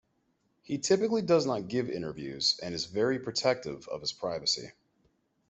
He typically does not give interviews and is very protective of his privacy.